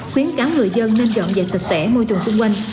khuyến cáo người dân nên dọn dẹp sạch sẽ môi trường xung quanh